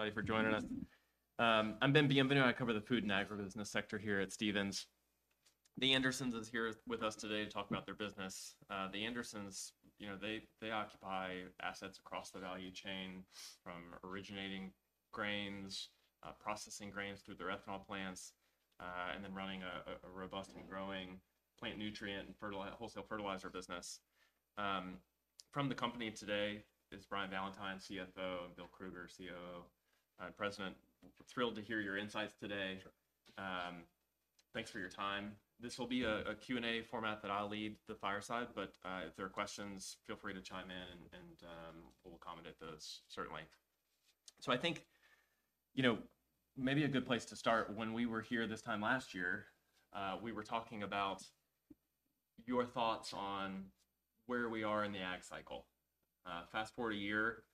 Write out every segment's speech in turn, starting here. Everybody for joining us. I'm Ben Bienvenu, I cover the food and agribusiness sector here at Stephens. The Andersons is here with us today to talk about their business. The Andersons, you know, they, they occupy assets across the value chain from originating grains, processing grains through their ethanol plants, and then running a robust and growing plant nutrient and fertilizer wholesale business. From the company today is Brian Valentine, CFO, and Bill Krueger, CEO and President. Thrilled to hear your insights today. Sure. Thanks for your time. This will be a Q&A format that I'll lead the fireside, but if there are questions, feel free to chime in and we'll accommodate those certainly. So I think, you know, maybe a good place to start, when we were here this time last year, we were talking about your thoughts on where we are in ag cycle. Fast-forward a year,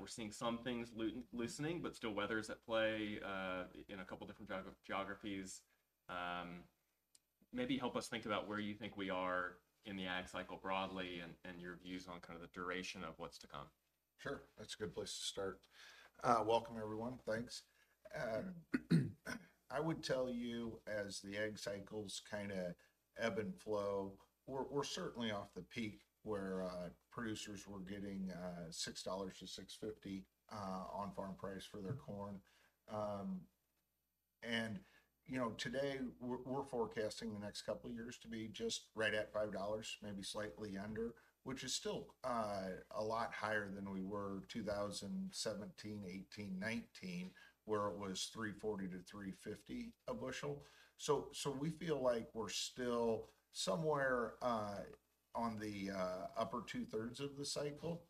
we're seeing some things loosening, but still weather is at play in a couple different geographies. Maybe help us think about where you think we are in ag cycle broadly, and your views on kind of the duration of what's to come. Sure. That's a good place to start. Welcome, everyone. Thanks. I would tell you, as ag cycles kinda ebb and flow, we're, we're certainly off the peak where producers were getting $6-$6.50 on farm price for their corn. And, you know, today, we're, we're forecasting the next couple of years to be just right at $5, maybe slightly under, which is still a lot higher than we were 2017, 2018, 2019, where it was $3.40-$3.50 a bushel. So, so we feel like we're still somewhere on the upper 2/3 of the cycle.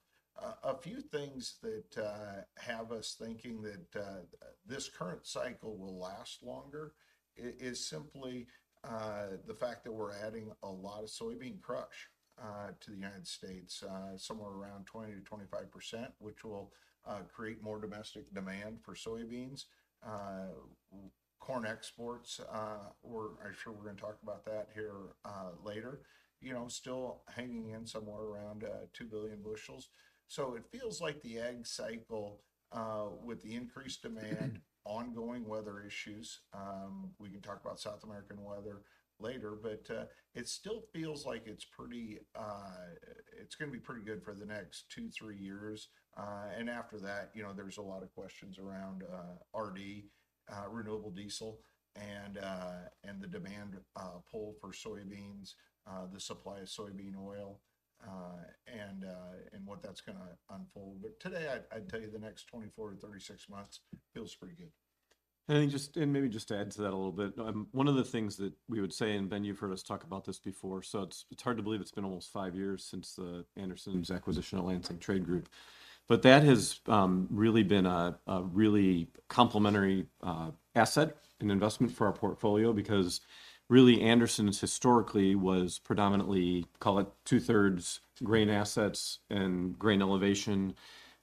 A few things that have us thinking that this current cycle will last longer is simply the fact that we're adding a lot of soybean crush to the United States somewhere around 20%-25%, which will create more domestic demand for soybeans. Corn exports, I'm sure we're gonna talk about that here later, you know, still hanging in somewhere around two billion bushels. So it feels like ag cycle with the increased demand, ongoing weather issues, we can talk about South American weather later, but it still feels like it's pretty it's gonna be pretty good for the next two to three years. After that, you know, there's a lot of questions around RD, renewable diesel, and the demand pull for soybeans, the supply of soybean oil, and what that's gonna unfold. But today, I'd tell you the next 24-36 months feels pretty good. Maybe just to add to that a little bit, one of the things that we would say, and Ben, you've heard us talk about this before, so it's hard to believe it's been almost five years since The Andersons' acquisition of Lansing Trade Group. But that has really been a really complementary asset and investment for our portfolio, because really, The Andersons historically was predominantly, call it 2/3 grain assets and grain origination,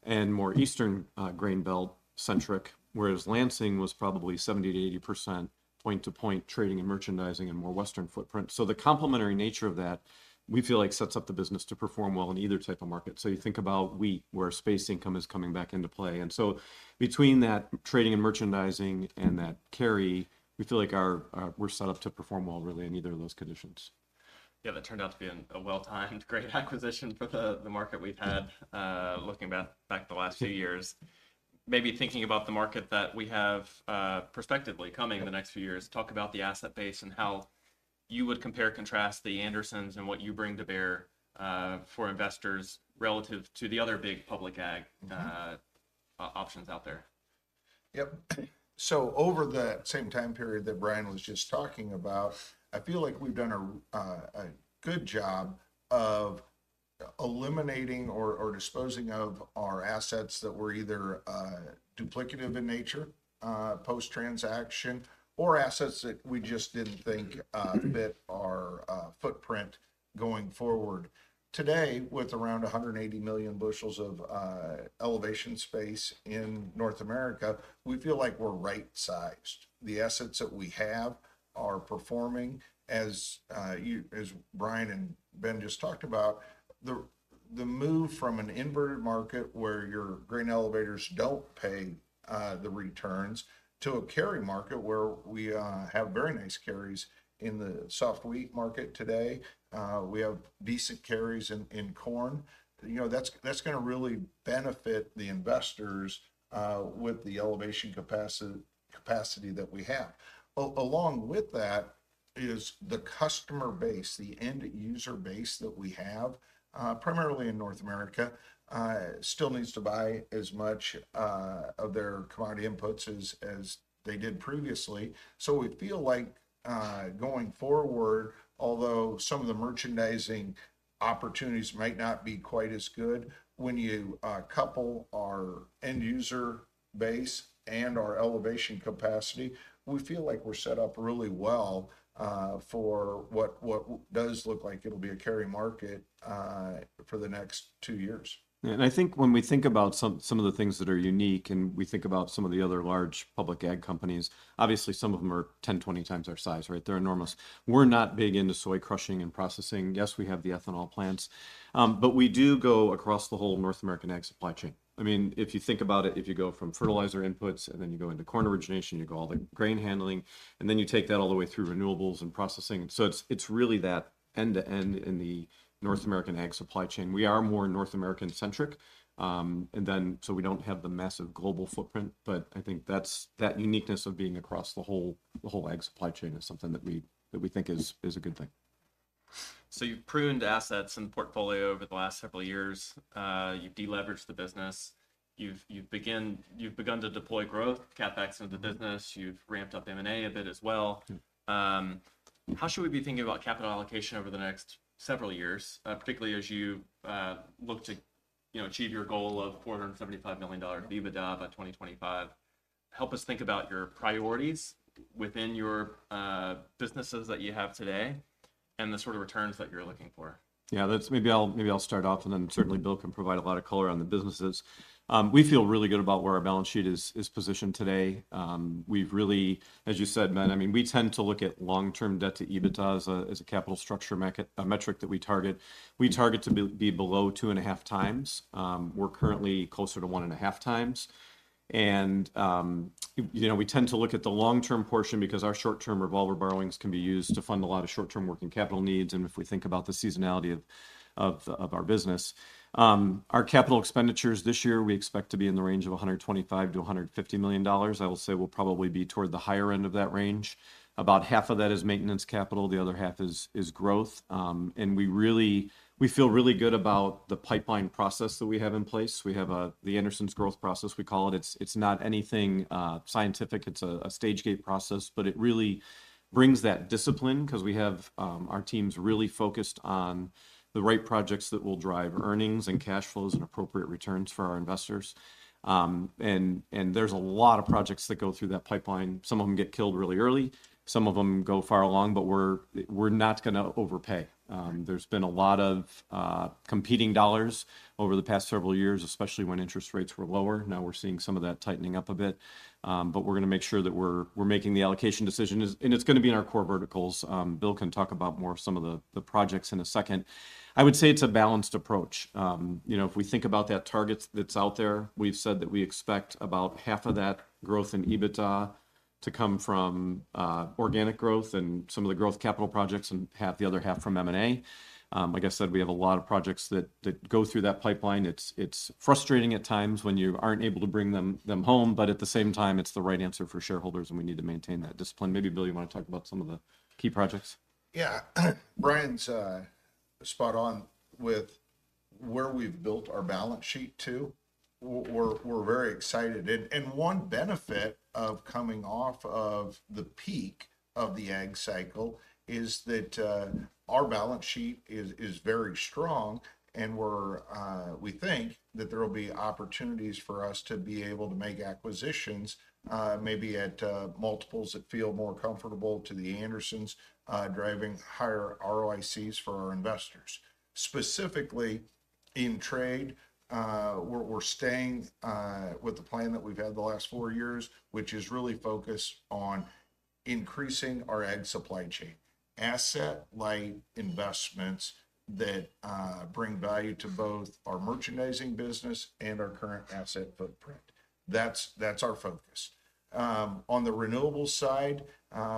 and more eastern grain belt centric, whereas Lansing was probably 70%-80% point-to-point trading and merchandising, and more western footprint. So the complementary nature of that, we feel like sets up the business to perform well in either type of market. So you think about wheat, where basis income is coming back into play. And so between that trading and merchandising and that carry, we feel like our, we're set up to perform well really in either of those conditions. Yeah, that turned out to be a well-timed, great acquisition for the market we've had, looking back the last few years. Maybe thinking about the market that we have, prospectively coming in the next few years, talk about the asset base and how you would compare and contrast The Andersons and what you bring to bear for investors relative to the other big public ag options out there. Yep. So over that same time period that Brian was just talking about, I feel like we've done a good job of eliminating or disposing of our assets that were either duplicative in nature post-transaction, or assets that we just didn't think fit our footprint going forward. Today, with around 180 million bushels of elevation space in North America, we feel like we're right-sized. The assets that we have are performing. As Brian and Ben just talked about, the move from an inverted market where your grain elevators don't pay the returns, to a carry market where we have very nice carries in the soft wheat market today, we have decent carries in corn. You know, that's gonna really benefit the investors with the elevation capacity that we have. Along with that is the customer base, the end user base that we have, primarily in North America, still needs to buy as much of their commodity inputs as they did previously. So we feel like, going forward, although some of the merchandising opportunities might not be quite as good, when you couple our end user base and our elevation capacity, we feel like we're set up really well, for what does look like it'll be a carry market, for the next two years. I think when we think about some of the things that are unique, and we think about some of the other large public ag companies, obviously some of them are 10, 20 times our size, right? They're enormous. We're not big into soy crushing and processing. Yes, we have the ethanol plants, but we do go across the whole North American ag supply chain. I mean, if you think about it, if you go from fertilizer inputs, and then you go into corn origination, you go all the grain handling, and then you take that all the way through renewables and processing. So it's really that end-to-end in the North American ag supply chain. We are more North American centric, and then so we don't have the massive global footprint, but I think that's that uniqueness of being across the whole, the whole ag supply chain is something that we, that we think is, is a good thing. So you've pruned assets and portfolio over the last several years, you've de-leveraged the business. You've begun to deploy growth CapEx into the business. You've ramped up M&A a bit as well. Mm. How should we be thinking about capital allocation over the next several years, particularly as you look to, you know, achieve your goal of $475 million EBITDA by 2025? Help us think about your priorities within your businesses that you have today, and the sort of returns that you're looking for. Yeah, that's, maybe I'll start off, and then. Sure. Certainly Bill can provide a lot of color on the businesses. We feel really good about where our balance sheet is positioned today. We've really, as you said, Ben, I mean, we tend to look at long-term debt to EBITDA as a capital structure metric that we target. We target to be below 2.5x. We're currently closer to 1.5x. You know, we tend to look at the long-term portion because our short-term revolver borrowings can be used to fund a lot of short-term working capital needs, and if we think about the seasonality of our business. Our capital expenditures this year, we expect to be in the range of $125 million-$150 million. I will say we'll probably be toward the higher end of that range. About half of that is maintenance capital, the other half is growth. And we really feel really good about the pipeline process that we have in place. We have The Andersons' growth process, we call it. It's not anything scientific, it's a stage gate process, but it really brings that discipline, 'cause we have our teams really focused on the right projects that will drive earnings and cash flows and appropriate returns for our investors. And there's a lot of projects that go through that pipeline. Some of them get killed really early, some of them go far along, but we're not gonna overpay. There's been a lot of competing dollars over the past several years, especially when interest rates were lower. Now, we're seeing some of that tightening up a bit. But we're gonna make sure that we're making the allocation decision and it's gonna be in our core verticals. Bill can talk about more of some of the projects in a second. I would say it's a balanced approach. You know, if we think about that target that's out there, we've said that we expect about half of that growth in EBITDA to come from organic growth and some of the growth capital projects, and half the other half from M&A. Like I said, we have a lot of projects that go through that pipeline. It's frustrating at times when you aren't able to bring them home, but at the same time, it's the right answer for shareholders, and we need to maintain that discipline. Maybe, Bill, you want to talk about some of the key projects? Yeah. Brian's spot on with where we've built our balance sheet to. We're very excited. And one benefit of coming off of the peak of ag cycle is that our balance sheet is very strong, and we think that there will be opportunities for us to be able to make acquisitions, maybe at multiples that feel more comfortable to The Andersons, driving higher ROICs for our investors. Specifically, in trade, we're staying with the plan that we've had the last four years, which is really focused on increasing our ag supply chain. Asset light investments that bring value to both our merchandising business and our current asset footprint. That's our focus. On the renewable side,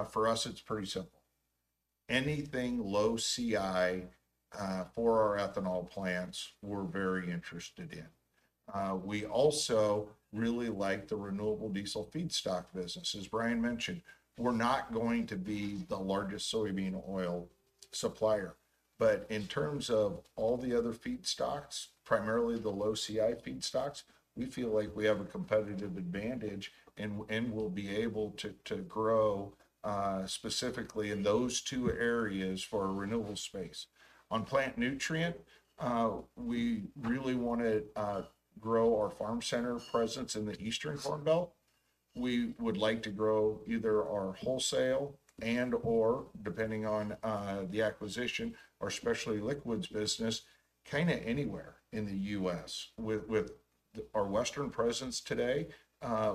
for us, it's pretty simple. Anything low CI for our ethanol plants, we're very interested in. We also really like the renewable diesel feedstock business. As Brian mentioned, we're not going to be the largest soybean oil supplier, but in terms of all the other feedstocks, primarily the low-CI feedstocks, we feel like we have a competitive advantage and we'll be able to grow, specifically in those two areas for our renewable space. On plant nutrient, we really wanna grow our farm center presence in the Eastern Corn Belt. We would like to grow either our wholesale and/or, depending on the acquisition, our specialty liquids business, kinda anywhere in the U.S. With our western presence today,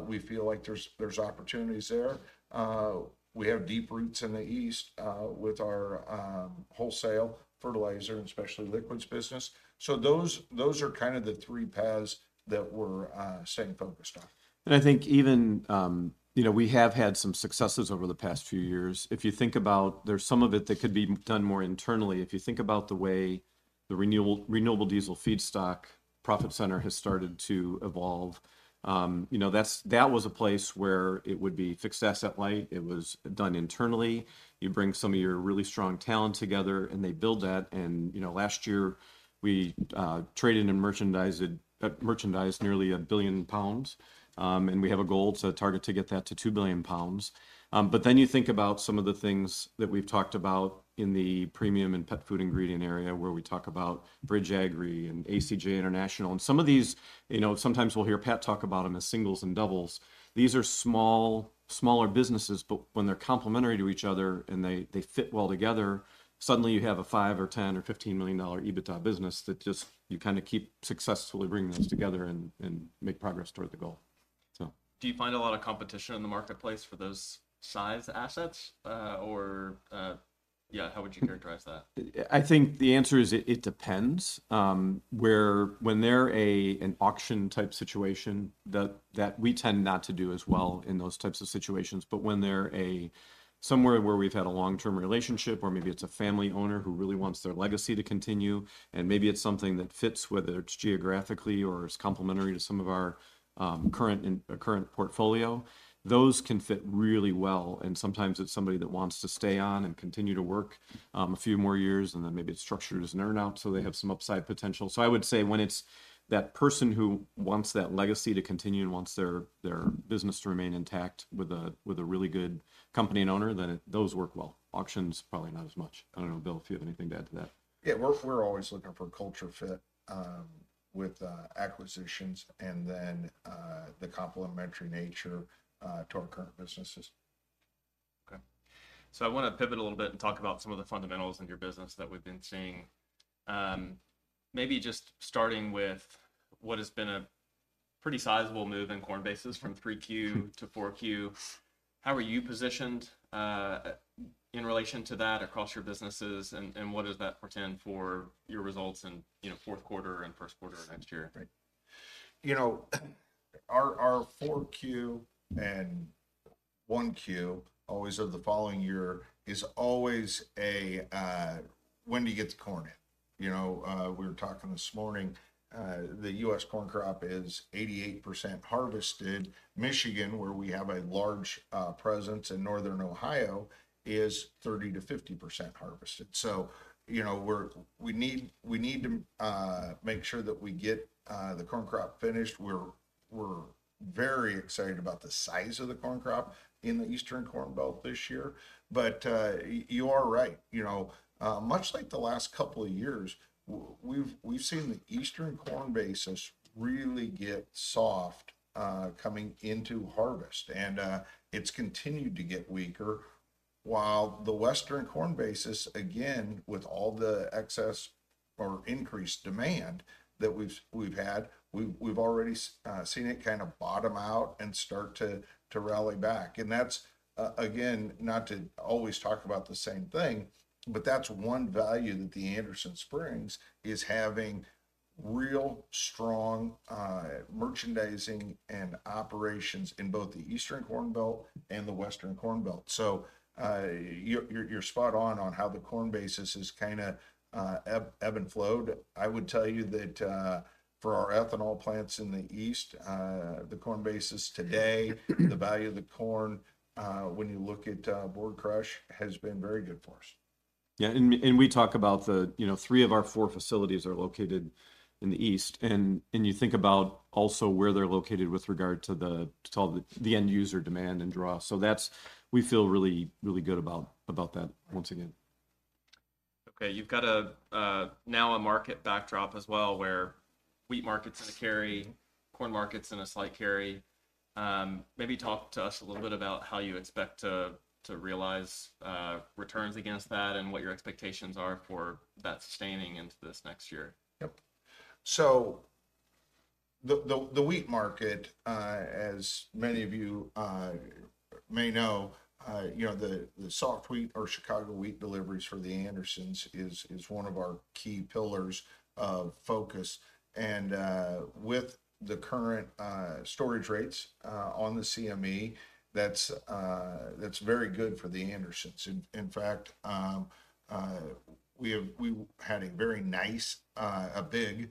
we feel like there's opportunities there. We have deep roots in the East, with our wholesale fertilizer and specialty liquids business. So those are kind of the three paths that we're staying focused on. And I think even, you know, we have had some successes over the past few years. If you think about, there's some of it that could be done more internally. If you think about the way the renewable diesel feedstock profit center has started to evolve, you know, that's, that was a place where it would be fixed asset light, it was done internally. You bring some of your really strong talent together, and they build that. And, you know, last year, we traded and merchandised nearly a billion pounds. And we have a goal to target to get that to two billion pounds. But then you think about some of the things that we've talked about in the premium and pet food ingredient area, where we talk about Bridge Agri and ACJ International. Some of these, you know, sometimes we'll hear Pat talk about them as singles and doubles. These are smaller businesses, but when they're complementary to each other and they fit well together, suddenly you have a $5 million or $10 million or $15 million EBITDA business that you just kind of keep successfully bringing those together. Mm. And make progress toward the goal. So. Do you find a lot of competition in the marketplace for those size assets? Yeah, how would you characterize that? I think the answer is, it depends. When they're an auction-type situation, that we tend not to do as well in those types of situations. But when they're somewhere where we've had a long-term relationship, or maybe it's a family owner who really wants their legacy to continue, and maybe it's something that fits, whether it's geographically or it's complementary to some of our current portfolio, those can fit really well. And sometimes it's somebody that wants to stay on and continue to work a few more years, and then maybe it's structured as an earn-out, so they have some upside potential. So I would say when it's that person who wants that legacy to continue and wants their business to remain intact with a really good company and owner, then those work well. Auctions, probably not as much. I don't know, Bill, if you have anything to add to that. Yeah, we're always looking for a culture fit with acquisitions and then the complementary nature to our current businesses. Okay. So I wanna pivot a little bit and talk about some of the fundamentals in your business that we've been seeing. Maybe just starting with what has been a pretty sizable move in corn basis from 3Q to 4Q. How are you positioned in relation to that across your businesses, and what does that portend for your results in, you know, fourth quarter and first quarter of next year? Right. You know, our 4Q and 1Q, always of the following year, is always a when do you get the corn in? You know, we were talking this morning, the U.S. corn crop is 88% harvested. Michigan, where we have a large presence, and Northern Ohio, is 30%-50% harvested. So, you know, we need, we need to make sure that we get the corn crop finished. We're very excited about the size of the corn crop in the Eastern Corn Belt this year. But you are right. You know, much like the last couple of years, we've seen the eastern corn basis really get soft coming into harvest, and it's continued to get weaker, while the western corn basis, again, with all the excess or increased demand that we've had, we've already seen it kind of bottom out and start to rally back. And that's, again, not to always talk about the same thing, but that's one value that The Andersons brings, having real strong merchandising and operations in both the Eastern Corn Belt and the Western Corn Belt. So, you're spot on, on how the corn basis has kinda ebbed and flowed. I would tell you that, for our ethanol plants in the East, the corn basis today, the value of the corn, when you look at board crush, has been very good for us. Yeah, and we talk about the, you know, three of our four facilities are located in the East. And you think about also where they're located with regard to all the end user demand and draw. So that's—we feel really, really good about that once again. Okay, you've got now a market backdrop as well, where wheat market's in a carry, corn market's in a slight carry. Maybe talk to us a little bit about how you expect to realize returns against that, and what your expectations are for that sustaining into this next year. Yep. So the wheat market, as many of you may know, you know, the soft wheat or Chicago wheat deliveries for The Andersons is one of our key pillars of focus. And, with the current storage rates on the CME, that's very good for The Andersons. In fact, we had a very nice, a big,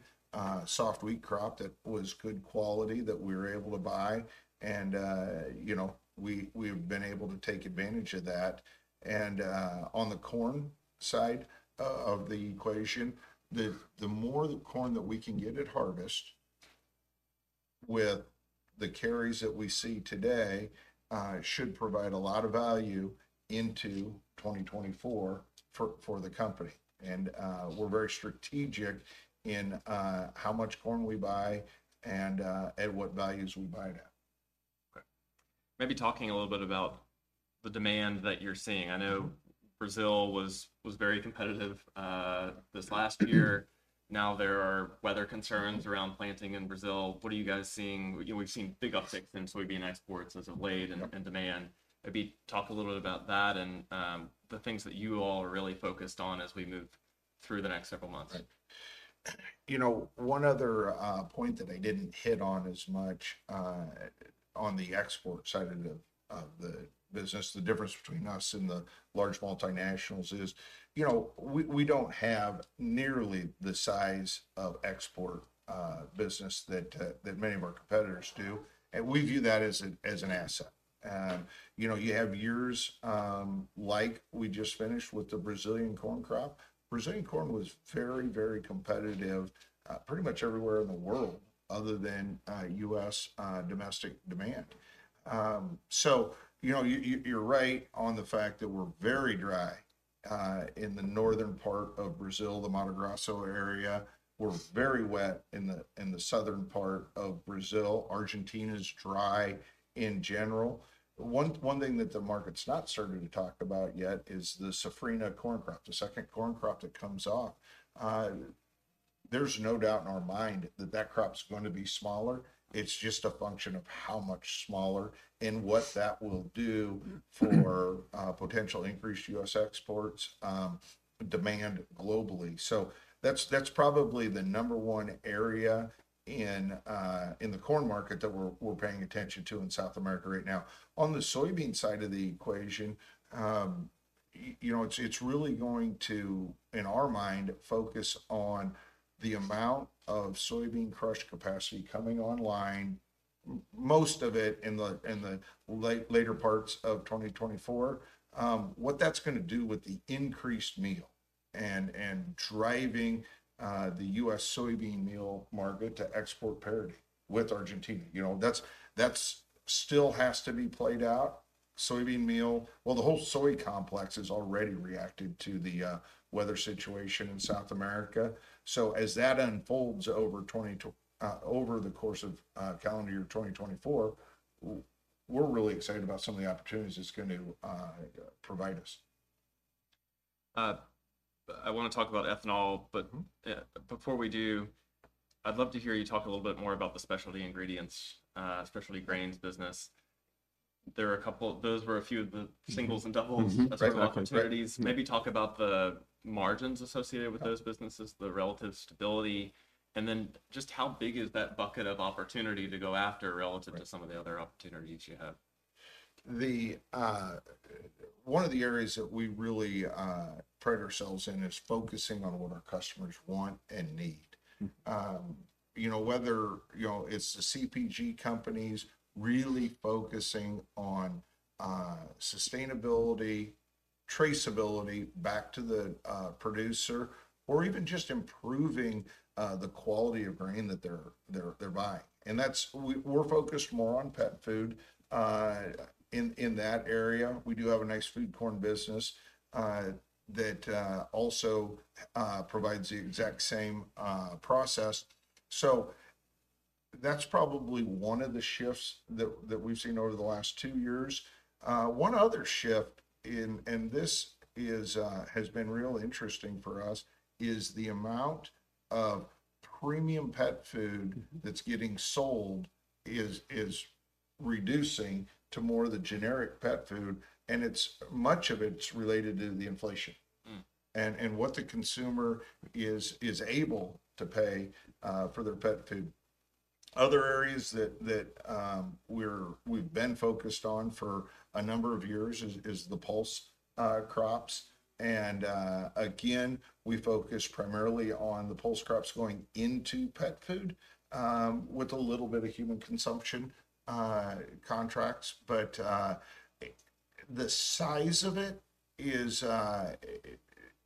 soft wheat crop that was good quality that we were able to buy, and, you know, we've been able to take advantage of that. And, on the corn side of the equation, the more the corn that we can get at harvest with the carries that we see today, should provide a lot of value into 2024 for the company. We're very strategic in how much corn we buy and at what values we buy it at. Okay. Maybe talking a little bit about the demand that you're seeing. I know Brazil was very competitive this last year. Now there are weather concerns around planting in Brazil. What are you guys seeing? You know, we've seen big upticks in soybean exports as of late. Yep. And, and demand. Maybe talk a little bit about that and, the things that you all are really focused on as we move through the next several months. Right. You know, one other point that I didn't hit on as much on the export side of the business, the difference between us and the large multinationals is, you know, we don't have nearly the size of export business that many of our competitors do, and we view that as an asset. You know, you have years like we just finished with the Brazilian corn crop. Brazilian corn was very, very competitive pretty much everywhere in the world, other than U.S. domestic demand. So, you know, you're right on the fact that we're very dry in the northern part of Brazil, the Mato Grosso area. We're very wet in the southern part of Brazil. Argentina's dry in general. One thing that the market's not starting to talk about yet is the Safrinha corn crop, the second corn crop that comes off. There's no doubt in our mind that that crop's going to be smaller. It's just a function of how much smaller, and what that will do for potential increased U.S. exports, demand globally. So that's probably the number one area in the corn market that we're paying attention to in South America right now. On the soybean side of the equation, you know, it's really going to, in our mind, focus on the amount of soybean crush capacity coming online, most of it in the later parts of 2024. What that's gonna do with the increased meal and driving the U.S. soybean meal market to export parity with Argentina. You know, that's still has to be played out. Soybean meal, well, the whole soy complex has already reacted to the weather situation in South America. So as that unfolds over the course of calendar year 2024, we're really excited about some of the opportunities it's going to provide us. I wanna talk about ethanol, but. Mm-hmm. Before we do, I'd love to hear you talk a little bit more about the specialty ingredients, specialty grains business. There are a couple, those were a few of the singles and doubles. Mm-hmm, right. Of opportunities. Maybe talk about the margins associated with those businesses, the relative stability, and then just how big is that bucket of opportunity to go after relative to some of the other opportunities you have? The one of the areas that we really pride ourselves in is focusing on what our customers want and need. Mm. You know, whether, you know, it's the CPG companies really focusing on, sustainability, traceability back to the, producer, or even just improving, the quality of grain that they're buying. We're focused more on pet food, in, in that area. We do have a nice food corn business, that, also, provides the exact same, process. So that's probably one of the shifts that we've seen over the last two years. One other shift, and this has been real interesting for us, is the amount of premium pet food. Mm-hmm. That's getting sold is reducing to more of the generic pet food, and it's, much of it's related to the inflation. Mm. And what the consumer is able to pay for their pet food. Other areas that we've been focused on for a number of years is the pulse crops. And again, we focus primarily on the pulse crops going into pet food with a little bit of human consumption contracts. But the size of it is,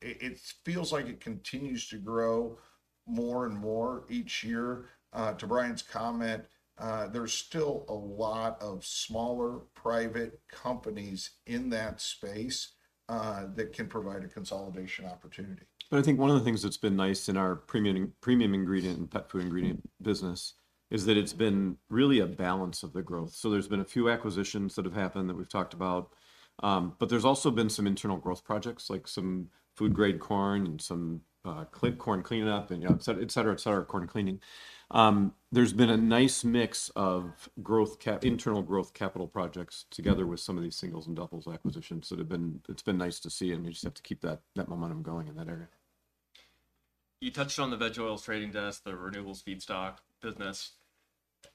it feels like it continues to grow more and more each year. To Brian's comment, there's still a lot of smaller private companies in that space that can provide a consolidation opportunity. But I think one of the things that's been nice in our premium ingredient and pet food ingredient business is that it's been really a balance of the growth. So there's been a few acquisitions that have happened that we've talked about, but there's also been some internal growth projects, like some food-grade corn and some corn cleaning up, and yeah, et cetera, et cetera, corn cleaning. There's been a nice mix of internal growth capital projects together with some of these singles and doubles acquisitions that have been. It's been nice to see, and we just have to keep that, that momentum going in that area. You touched on the veg oils trading desk, the renewables feedstock business.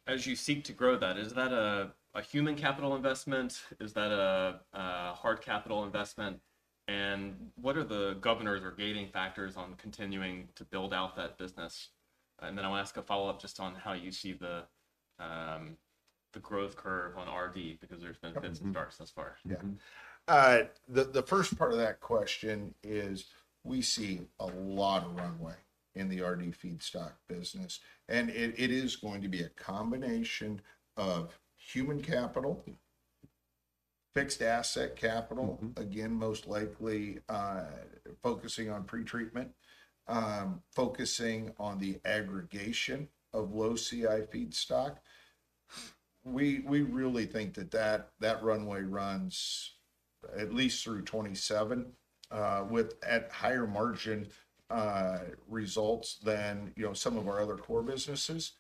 As you seek to grow that, is that a human capital investment? Is that a hard capital investment? And what are the governors or gating factors on continuing to build out that business? And then I'll ask a follow-up just on how you see the growth curve on RD, because there's been fits and starts thus far. Mm-hmm. Yeah. The first part of that question is we see a lot of runway in the RD feedstock business, and it is going to be a combination of human capital, fixed asset capital. Mm-hmm. Again, most likely, focusing on pretreatment, focusing on the aggregation of low CI feedstock. We really think that runway runs at least through 2027, with higher margin results than, you know, some of our other core businesses.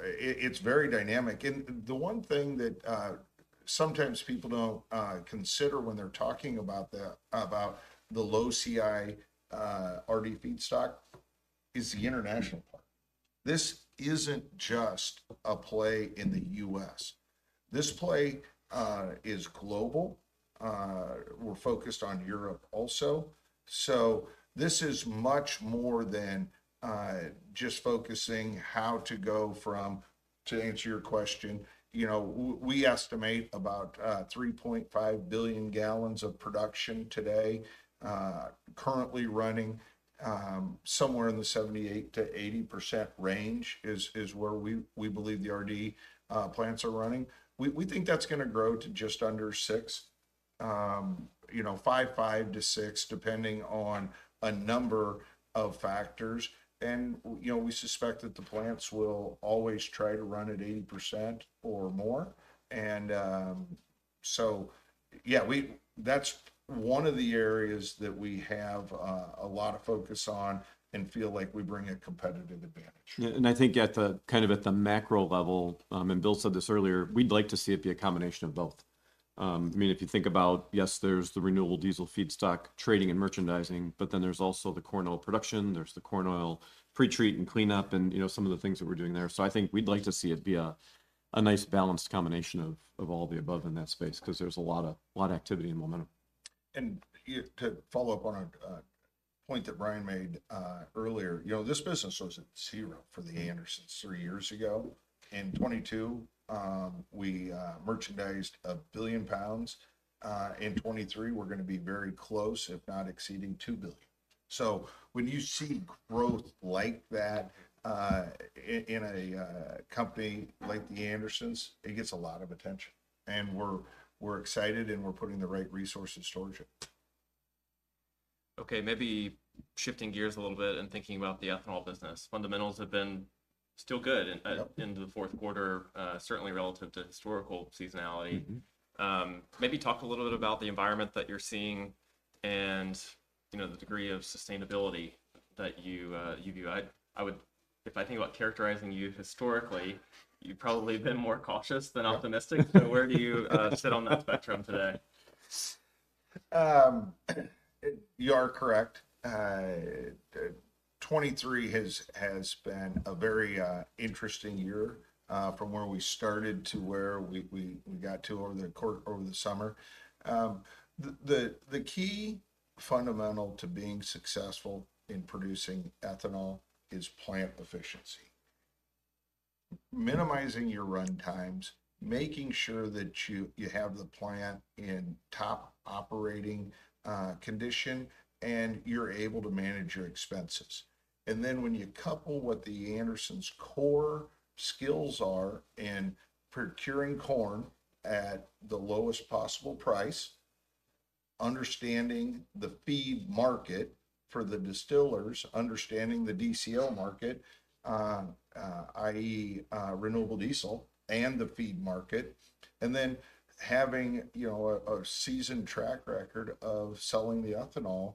It is very dynamic. And the one thing that sometimes people don't consider when they're talking about the low CI RD feedstock is the international part. This isn't just a play in the U.S., this play is global. We're focused on Europe also. So this is much more than just focusing how to go from, to answer your question, you know, we estimate about 3.5 billion gallons of production today. Currently running somewhere in the 78%-80% range is where we believe the RD plants are running. We think that's gonna grow to just under 60%, you know, 55%-60%, depending on a number of factors. You know, we suspect that the plants will always try to run at 80% or more. So yeah, that's one of the areas that we have a lot of focus on and feel like we bring a competitive advantage. I think at the macro level, and Bill said this earlier, we'd like to see it be a combination of both. I mean, if you think about, yes, there's the renewable diesel feedstock trading and merchandising, but then there's also the corn oil production, there's the corn oil pretreat and cleanup, and, you know, some of the things that we're doing there. So I think we'd like to see it be a nice balanced combination of all the above in that space, 'cause there's a lot of activity and momentum. To follow up on a point that Brian made earlier, you know, this business was at zero for The Andersons three years ago. In 2022, we merchandised a billion pounds. In 2023, we're gonna be very close, if not exceeding two billion. So when you see growth like that in a company like The Andersons, it gets a lot of attention, and we're excited, and we're putting the right resources towards it. Okay, maybe shifting gears a little bit and thinking about the ethanol business. Fundamentals have been still good. Yep. And into the fourth quarter, certainly relative to historical seasonality. Mm-hmm. Maybe talk a little bit about the environment that you're seeing and, you know, the degree of sustainability that you view. If I think about characterizing you historically, you've probably been more cautious than optimistic. So where do you sit on that spectrum today? You are correct. 2023 has been a very interesting year from where we started to where we got to over the summer. The key fundamental to being successful in producing ethanol is plant efficiency. Minimizing your run times, making sure that you have the plant in top operating condition, and you're able to manage your expenses. And then when you couple what The Andersons' core skills are in procuring corn at the lowest possible price, understanding the feed market for the distillers, understanding the DCO market, i.e., renewable diesel and the feed market, and then having a seasoned track record of selling the ethanol, you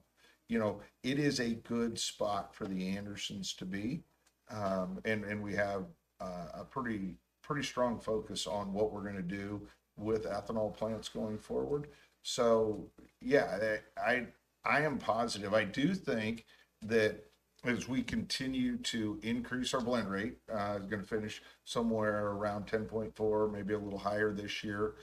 know, it is a good spot for The Andersons to be. And, and we have a pretty, pretty strong focus on what we're gonna do with ethanol plants going forward. So, yeah, I, I, I am positive. I do think that as we continue to increase our blend rate, we're gonna finish somewhere around 10.4%, maybe a little higher this year.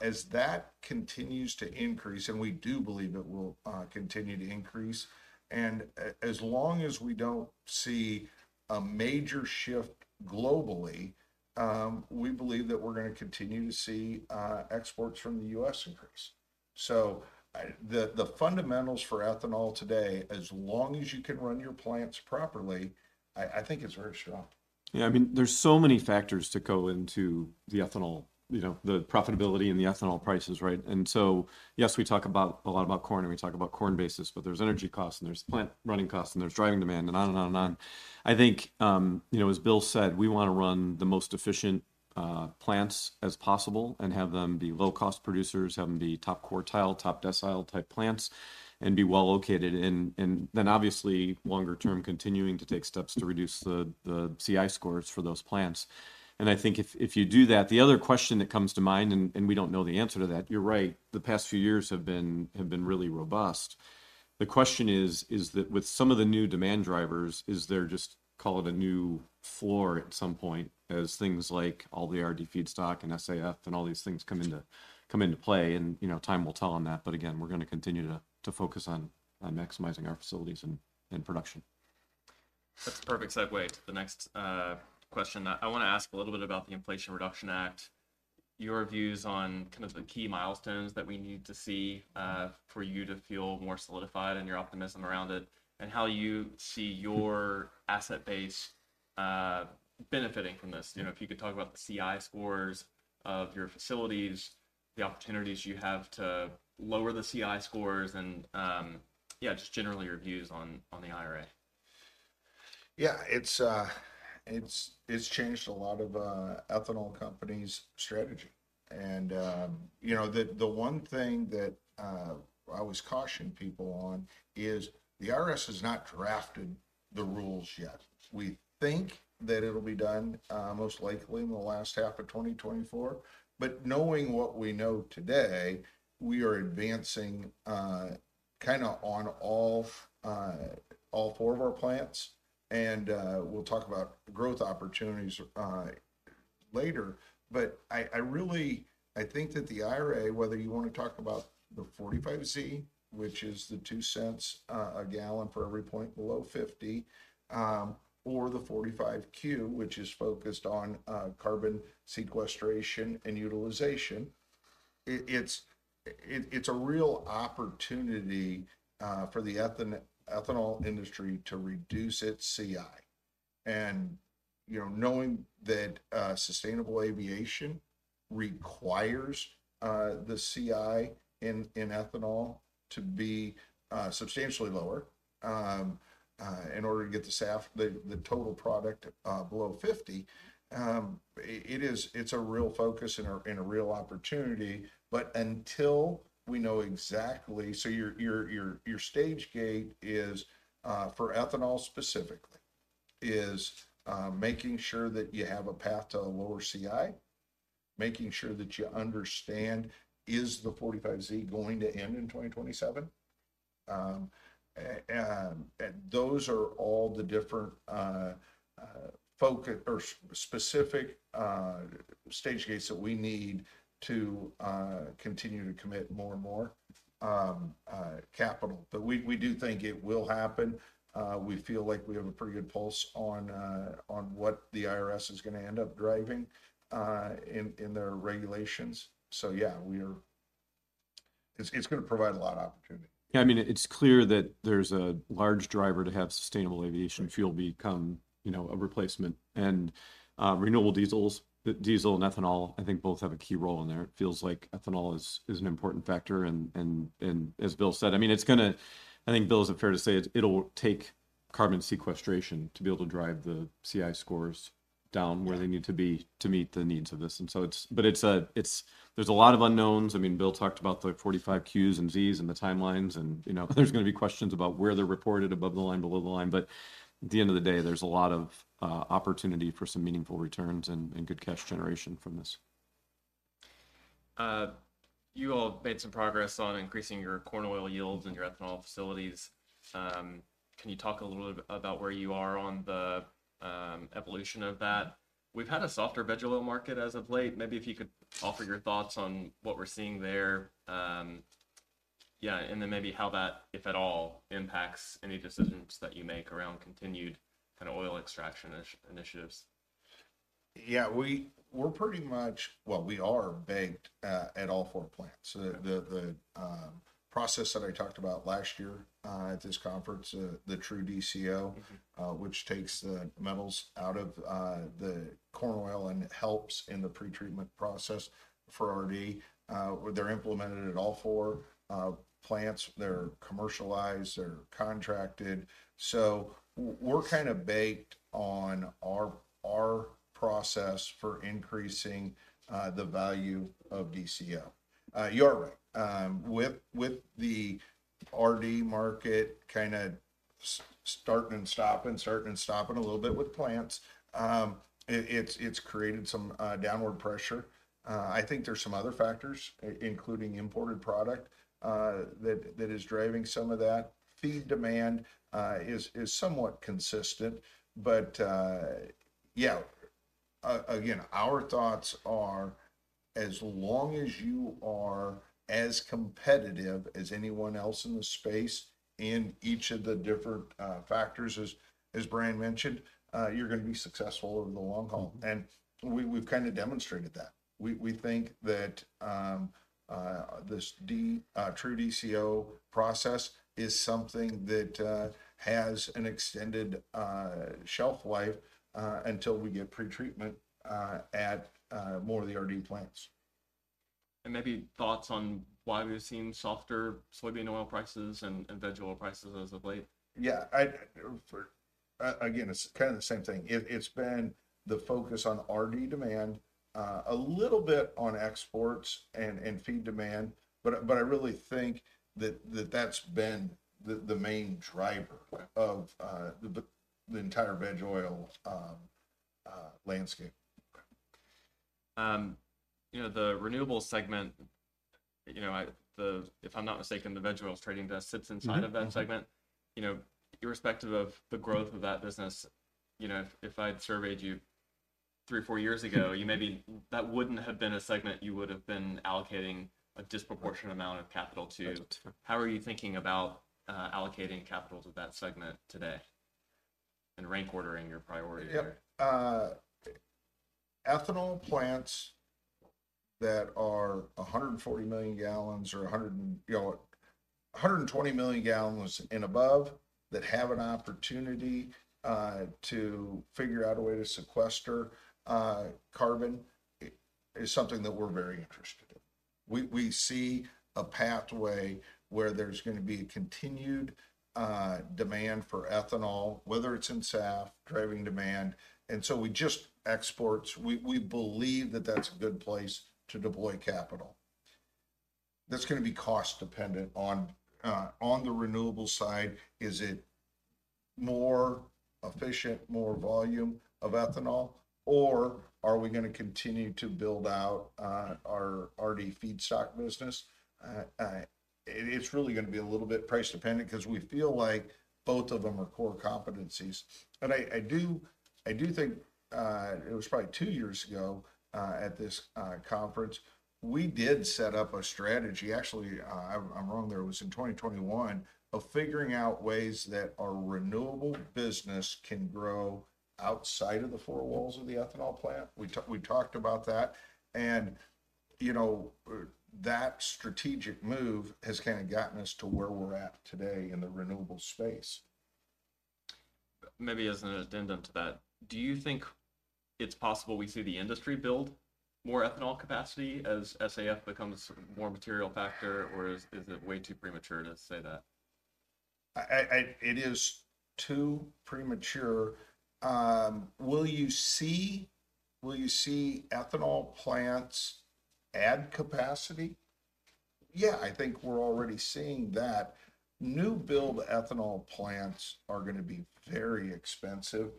As that continues to increase, and we do believe it will, continue to increase, and as long as we don't see a major shift globally, we believe that we're gonna continue to see exports from the U.S. increase. So, the, the fundamentals for ethanol today, as long as you can run your plants properly, I, I think it's very strong. Yeah, I mean, there's so many factors to go into the ethanol, you know, the profitability and the ethanol prices, right? And so, yes, we talk about a lot about corn, and we talk about corn basis, but there's energy costs, and there's plant running costs, and there's driving demand, and on and on and on. I think, you know, as Bill said, we wanna run the most efficient plants as possible and have them be low-cost producers, have them be top quartile, top decile type plants, and be well located. And then obviously, longer term, continuing to take steps to reduce the CI scores for those plants. And I think if you do that, the other question that comes to mind, and we don't know the answer to that, you're right, the past few years have been really robust. The question is, is that with some of the new demand drivers, is there just, call it, a new floor at some point as things like all the RD feedstock and SAF and all these things come into, come into play? And, you know, time will tell on that. But again, we're gonna continue to, to focus on, on maximizing our facilities and, and production. That's a perfect segue to the next question. I wanna ask a little bit about the Inflation Reduction Act, your views on kind of the key milestones that we need to see for you to feel more solidified in your optimism around it, and how you see your asset base benefiting from this. You know, if you could talk about the CI scores of your facilities, the opportunities you have to lower the CI scores, and yeah, just generally your views on the IRA. Yeah, it's changed a lot of ethanol companies' strategy. And, you know, the one thing that I always caution people on is the IRS has not drafted the rules yet. We think that it'll be done, most likely in the last half of 2024. But knowing what we know today, we are advancing kinda on all four of our plants, and we'll talk about growth opportunities later. But I really, I think that the IRA, whether you wanna talk about the 45Z, which is the $0.02 a gallon for every point below 50, or the 45Q, which is focused on carbon sequestration and utilization, it's a real opportunity for the ethanol industry to reduce its CI. You know, knowing that sustainable aviation requires the CI in ethanol to be substantially lower in order to get the SAF, the total product below 50. It is a real focus and a real opportunity, but until we know exactly. So your stage gate is for ethanol specifically making sure that you have a path to a lower CI, making sure that you understand, is the 45Z going to end in 2027? And those are all the different focus or specific stage gates that we need to continue to commit more and more capital. But we do think it will happen. We feel like we have a pretty good pulse on what the IRS is gonna end up driving in their regulations. So yeah, it's gonna provide a lot of opportunity. Yeah, I mean, it's clear that there's a large driver to have sustainable aviation fuel become, you know, a replacement. And, renewable diesels, diesel and ethanol, I think both have a key role in there. It feels like ethanol is an important factor, and as Bill said, I mean, it's gonna, I think, Bill, is it fair to say, it'll take carbon sequestration to be able to drive the CI scores down. Yeah. Where they need to be to meet the needs of this? And so it's, but it's a lot of unknowns. I mean, Bill talked about the 45Qs and 45Zs and the timelines, and, you know, there's gonna be questions about where they're reported above the line, below the line. But at the end of the day, there's a lot of opportunity for some meaningful returns and good cash generation from this. You all made some progress on increasing your corn oil yields in your ethanol facilities. Can you talk a little bit about where you are on the evolution of that? We've had a softer veg oil market as of late. Maybe if you could offer your thoughts on what we're seeing there, and then maybe how that, if at all, impacts any decisions that you make around continued kind of oil extraction initiatives. Yeah, we're pretty much, well, we are baked at all four plants. Yeah. The process that I talked about last year at this conference, the TruDCO. Mm-hmm. Which takes the metals out of the corn oil and helps in the pretreatment process for RD. They're implemented at all four plants. They're commercialized, they're contracted. So we're kind of baked on our process for increasing the value of DCO. You're right, with the RD market kind of starting and stopping, starting and stopping a little bit with plants, it's created some downward pressure. I think there's some other factors including imported product that is driving some of that. Feed demand is somewhat consistent. But yeah, again, our thoughts are, as long as you are as competitive as anyone else in the space in each of the different factors, as Brian mentioned, you're gonna be successful over the long haul. Mm-hmm. We've kind of demonstrated that. We think that this TruDCO process is something that has an extended shelf life until we get pretreatment at more of the RD plants. Maybe thoughts on why we've seen softer soybean oil prices and veg oil prices as of late? Yeah, I'd again, it's kind of the same thing. It's been the focus on RD demand, a little bit on exports and feed demand, but I really think that that's been the main driver of the entire veg oil landscape. You know, the renewables segment, you know, if I'm not mistaken, the veg oils trading desk sits inside of that segment. Mm-hmm. You know, irrespective of the growth of that business, you know, if, if I'd surveyed you three or four years ago, you maybe, that wouldn't have been a segment you would have been allocating a disproportionate amount of capital to. Right. How are you thinking about allocating capital to that segment today, and rank ordering your priority? Yeah. Ethanol plants that are 140 million gallons or, you know, 120 million gallons and above, that have an opportunity to figure out a way to sequester carbon, it is something that we're very interested in. We, we see a pathway where there's gonna be continued demand for ethanol, whether it's in SAF, driving demand, and so we just—exports, we, we believe that that's a good place to deploy capital. That's gonna be cost dependent on, on the renewable side, is it more efficient, more volume of ethanol, or are we gonna continue to build out our RD feedstock business? It's really gonna be a little bit price dependent because we feel like both of them are core competencies. I do think it was probably two years ago at this conference we did set up a strategy—actually, I'm wrong there, it was in 2021, of figuring out ways that our renewable business can grow outside of the four walls of the ethanol plant. We talked about that, and, you know, that strategic move has kind of gotten us to where we're at today in the renewable space. Maybe as an addendum to that, do you think it's possible we see the industry build more ethanol capacity as SAF becomes more material factor, or is it way too premature to say that? It is too premature. Will you see ethanol plants add capacity? Yeah, I think we're already seeing that. New build ethanol plants are gonna be very expensive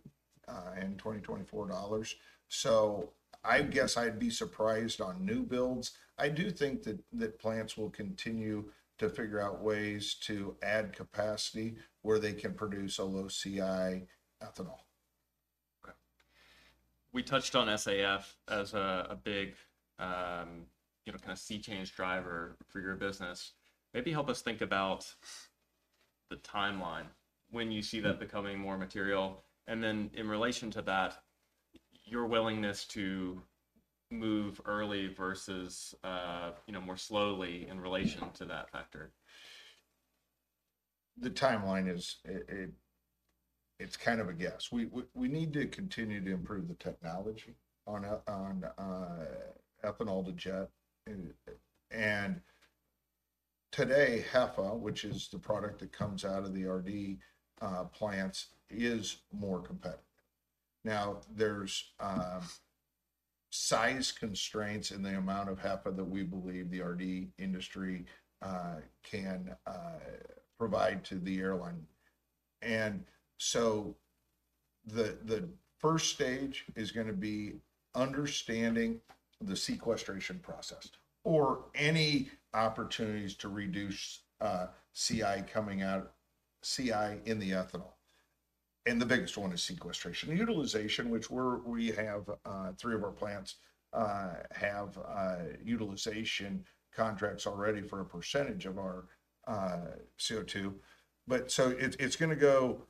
in 2024 dollars. So I guess I'd be surprised on new builds. I do think that plants will continue to figure out ways to add capacity where they can produce a low CI ethanol. Okay. We touched on SAF as a big, you know, kind of sea change driver for your business. Maybe help us think about the timeline when you see that becoming more material, and then in relation to that, your willingness to move early versus, you know, more slowly in relation to that factor. The timeline is, it's kind of a guess. We need to continue to improve the technology on ethanol to jet. And today, HEFA, which is the product that comes out of the RD plants, is more competitive. Now, there's size constraints in the amount of HEFA that we believe the RD industry can provide to the airline. And so the first stage is gonna be understanding the sequestration process or any opportunities to reduce CI coming out, CI in the ethanol, and the biggest one is sequestration. Utilization, which we have three of our plants have utilization contracts already for a percentage of our CO2. But so it's gonna go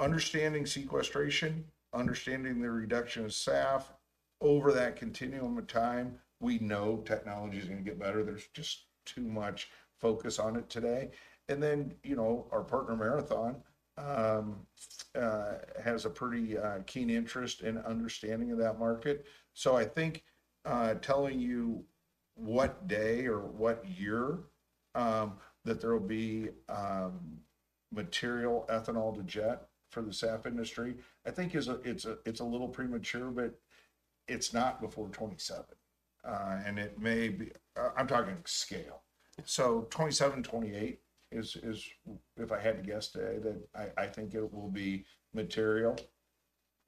understanding sequestration, understanding the reduction of SAF over that continuum of time. We know technology's gonna get better. There's just too much focus on it today. Then, you know, our partner, Marathon, has a pretty keen interest in understanding of that market. So I think telling you what day or what year that there will be material ethanol to jet for the SAF industry, I think is a, it's a, it's a little premature, but it's not before 2027. And it may be, I, I'm talking scale. So 2027, 2028 is, is, if I had to guess today, then I, I think it will be material.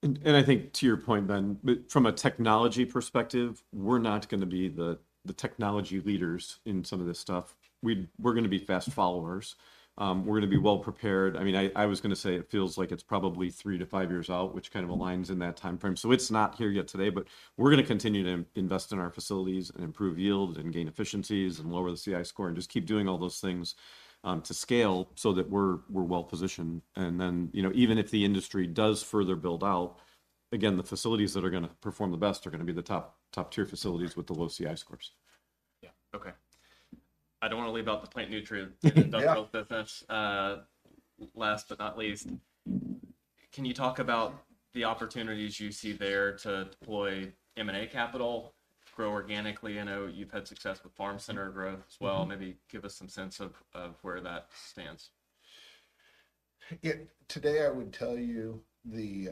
And I think to your point, Ben, but from a technology perspective, we're not gonna be the technology leaders in some of this stuff. We're gonna be fast followers. We're gonna be well prepared. I mean, I was gonna say it feels like it's probably three to five years out, which kind of aligns in that timeframe. So it's not here yet today, but we're gonna continue to invest in our facilities and improve yield and gain efficiencies and lower the CI score, and just keep doing all those things to scale so that we're well positioned. And then, you know, even if the industry does further build out, again, the facilities that are gonna perform the best are gonna be the top top-tier facilities with the low CI scores. Yeah. Okay. I don't wanna leave out the plant nutrient. Yeah. Industrial business. Last but not least, can you talk about the opportunities you see there to deploy M&A capital, grow organically? I know you've had success with farm center growth as well. Maybe give us some sense of where that stands. Yeah. Today, I would tell you, the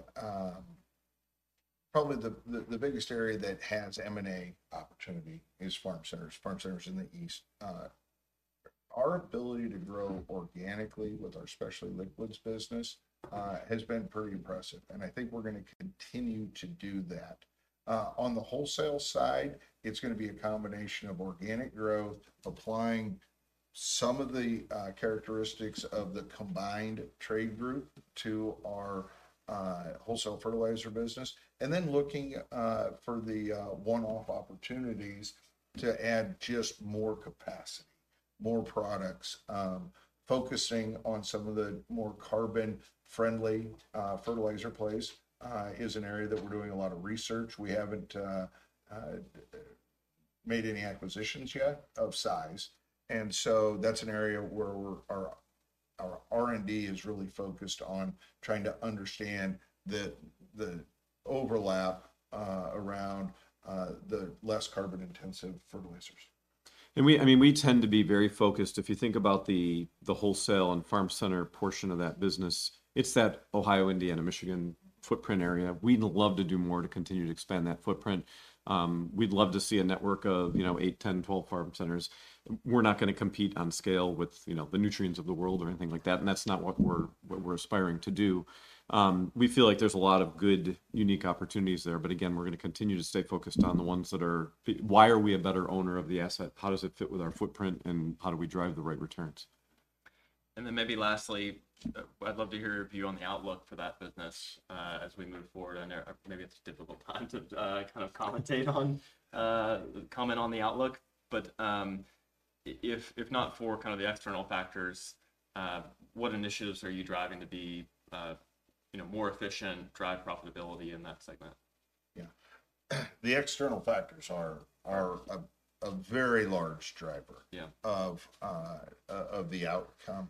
biggest area that has M&A opportunity is farm centers, farm centers in the East. Our ability to grow organically with our specialty liquids business has been pretty impressive, and I think we're gonna continue to do that. On the wholesale side, it's gonna be a combination of organic growth, applying some of the characteristics of the combined trade group to our wholesale fertilizer business, and then looking for the one-off opportunities to add just more capacity, more products. Focusing on some of the more carbon-friendly fertilizer plays is an area that we're doing a lot of research. We haven't made any acquisitions yet of size, and so that's an area where we're, our R&D is really focused on trying to understand the overlap around the less carbon-intensive fertilizers. I mean, we tend to be very focused. If you think about the wholesale and farm center portion of that business, it's that Ohio, Indiana, Michigan footprint area. We'd love to do more to continue to expand that footprint. We'd love to see a network of, you know, eight, 10, 12 farm centers. We're not gonna compete on scale with, you know, Nutriens of the world or anything like that, and that's not what we're aspiring to do. We feel like there's a lot of good, unique opportunities there, but again, we're gonna continue to stay focused on the ones that are fit. Why are we a better owner of the asset? How does it fit with our footprint, and how do we drive the right returns? And then maybe lastly, I'd love to hear your view on the outlook for that business as we move forward. I know maybe it's a difficult time to kind of comment on the outlook, but if not for kind of the external factors, what initiatives are you driving to be, you know, more efficient, drive profitability in that segment? Yeah. The external factors are a very large driver. Yeah. Of the outcome.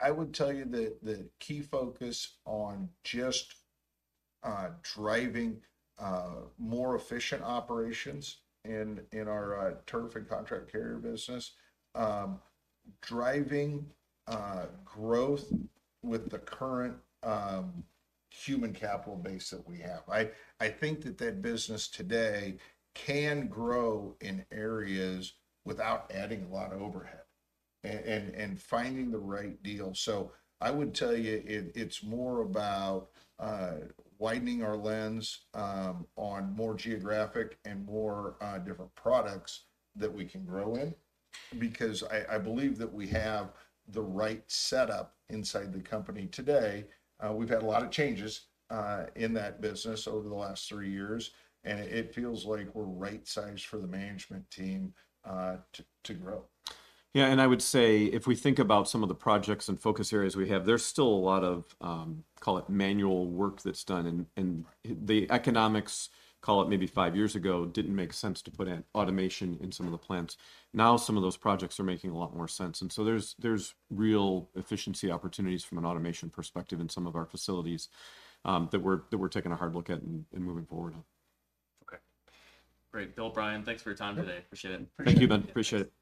I would tell you that the key focus on just driving more efficient operations in our turf and contract carrier business, driving growth with the current human capital base that we have. I think that that business today can grow in areas without adding a lot of overhead and finding the right deal. So I would tell you, it's more about widening our lens on more geographic and more different products that we can grow in, because I believe that we have the right setup inside the company today. We've had a lot of changes in that business over the last three years, and it feels like we're right sized for the management team to grow. Yeah, and I would say if we think about some of the projects and focus areas we have, there's still a lot of, call it manual work that's done, and the economics, call it maybe five years ago, didn't make sense to put in automation in some of the plants. Now, some of those projects are making a lot more sense, and so there's real efficiency opportunities from an automation perspective in some of our facilities that we're taking a hard look at and moving forward on. Okay. Great. Bill, Brian, thanks for your time today. Appreciate it. Thank you, Ben. Appreciate it.